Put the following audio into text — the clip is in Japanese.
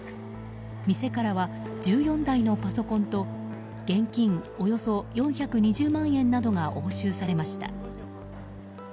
店からは１４台のパソコンと現金およそ４２０万円などが押収されました。